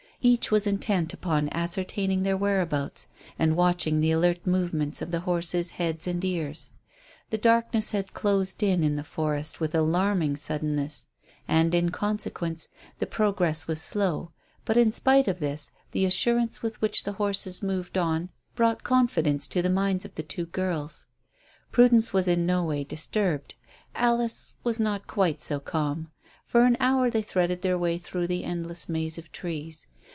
Each was intent upon ascertaining their whereabouts and watching the alert movements of the horses' heads and ears. The darkness had closed in in the forest with alarming suddenness, and, in consequence, the progress was slow; but, in spite of this, the assurance with which the horses moved on brought confidence to the minds of the two girls. Prudence was in no way disturbed. Alice was not quite so calm. For an hour they threaded their way through the endless maze of trees.